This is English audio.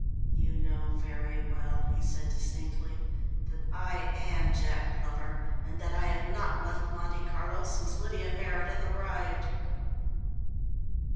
"You know very well," he said distinctly, "that I am Jack Glover, and that I have not left Monte Carlo since Lydia Meredith arrived."